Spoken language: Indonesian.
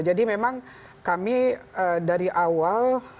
jadi memang kami dari awal